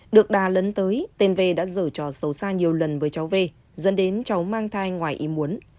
được đà lấn tới tên v đã dở trò xấu xa nhiều lần với cháu v dẫn đến cháu mang thai ngoài ý muốn